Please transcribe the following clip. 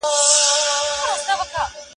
دا لیک له هغه مهم دی.